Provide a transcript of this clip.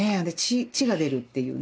血が出るっていうね